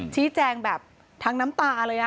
ชี้แจงแบบทั้งน้ำตาเลย